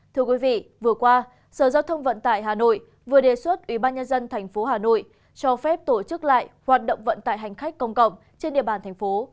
thưa quý vị vừa qua sở giao thông vận tải hà nội vừa đề xuất ủy ban nhân dân tp hà nội cho phép tổ chức lại hoạt động vận tải hành khách công cộng trên địa bàn tp